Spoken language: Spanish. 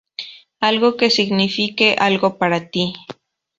Algo que signifique algo para ti.